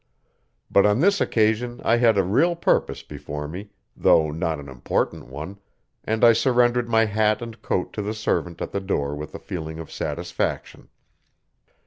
But on this occasion I had a real purpose before me, though not an important one, and I surrendered my hat and coat to the servant at the door with a feeling of satisfaction.